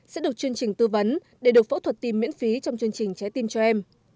sẽ được chương trình tư vấn để được phẫu thuật tim miễn phí trong chương trình trái tim cho em